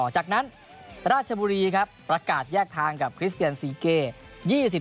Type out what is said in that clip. จากนั้นราชบุรีครับประกาศแยกทางกับคริสเตียนซีเกย์